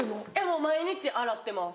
もう毎日洗ってます。